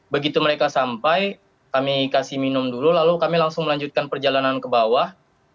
begitu mereka sampai kami kasih minum dulu lalu kami langsung melanjutkan perjalanan ke bawah